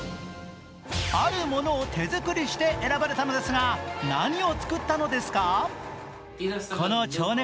あるものを手作りして選ばれたのですが何を作ったのですか？